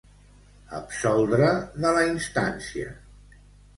Absoldre de la instància.